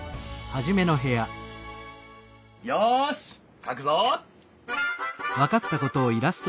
よしかくぞ！